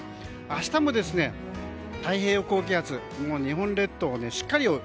明日も太平洋高気圧日本列島をしっかり覆う。